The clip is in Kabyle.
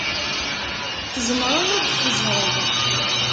Tzemreḍ ad d-teẓṛeḍ?